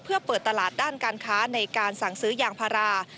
เพื่อเปิดตลาดด้านการค้าในการสั่งซื้อยางพารา